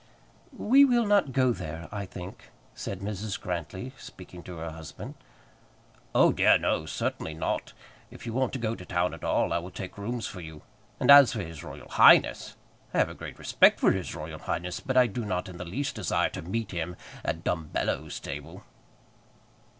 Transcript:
"We will not go there, I think," said Mrs. Grantly, speaking to her husband. "Oh dear, no; certainly not. If you want to go to town at all, I will take rooms for you. And as for his Royal Highness ! I have a great respect for his Royal Highness, but I do not in the least desire to meet him at Dumbello's table."